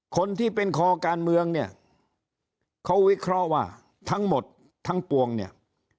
คนที่เป็นคอการเมืองเนี่ยเขาวิเคราะห์ว่าทั้งหมดทั้งปวงเนี่ย